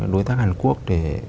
đối tác hàn quốc để